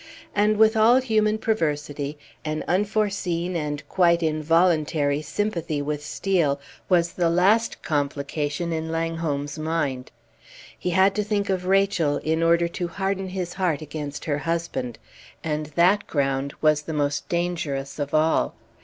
And, with all human perversity, an unforeseen and quite involuntary sympathy with Steel was the last complication in Langholm's mind. He had to think of Rachel in order to harden his heart against her husband; and that ground was the most dangerous of all.